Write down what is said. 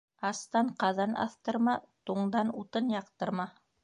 Астан ҡаҙан аҫтырма, туңдан утын яҡтырма.